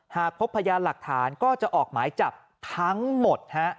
หากพบพยานหลักฐานก็จะออกหมายจับทั้งหมด